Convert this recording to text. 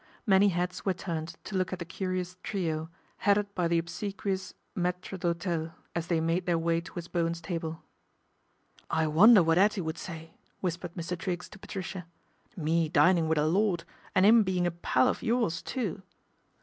Many heads were turned to look at the curious trio, headed by the obsequious maitre d'hotel, as they made their way towards Bowen's table. " I wonder what 'Ettie would say," whispered Mr. Triggs to Patricia, " me dining with a lord, and 'im being a pal of yours, too."